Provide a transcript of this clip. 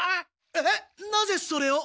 えっなぜそれを！